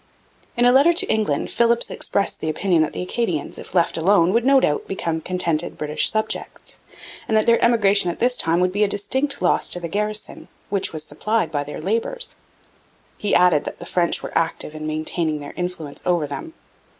In a letter to England Philipps expressed the opinion that the Acadians, if left alone, would no doubt become contented British subjects, that their emigration at this time would be a distinct loss to the garrison, which was supplied by their labours. He added that the French were active in maintaining their influence over them.